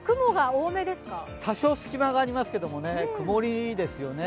多少隙間がありますけれども曇りですよね。